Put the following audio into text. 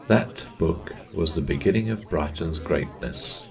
That book was the beginning of Brighton's greatness.